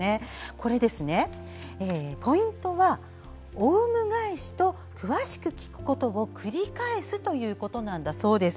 これはポイントは、おうむ返しと詳しく聞くことを繰り返すということだそうです。